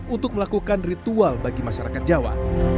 untuk melakukan ritual bagi masyarakat jawa